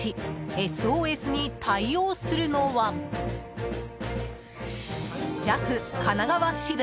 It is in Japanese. ＳＯＳに対応するのはＪＡＦ神奈川支部。